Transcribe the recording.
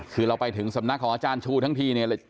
คือเราไปถึงสำนักของอาจารย์ชูทั้งทีเนี่ย